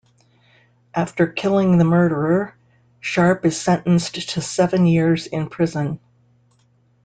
After killing the murderer, Sharp is sentenced to seven years in prison.